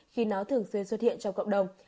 khi nó thường xuyên xuất hiện trong cộng đồng